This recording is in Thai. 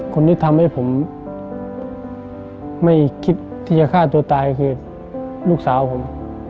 คนที่ทำให้ผมไม่คิดที่จะฆ่าตัวตายคือลูกสาวผม